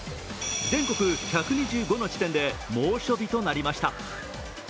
全国１２５の地点で猛暑日となりました。